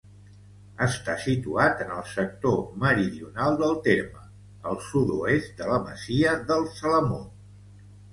Està situat en el sector meridional del terme, al sud-oest de la masia del Salamó.